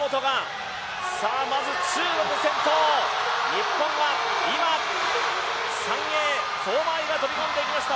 日本は今、３泳相馬あいが飛び込んでいきました。